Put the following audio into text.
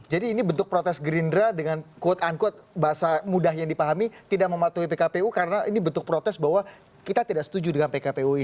jadi ini bentuk protes gerindra dengan quote unquote bahasa mudah yang dipahami tidak mematuhi pkpu karena ini bentuk protes bahwa kita tidak setuju dengan pkpu ini